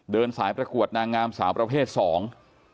เดินสายประกวดนางงามสาวประเภทสอง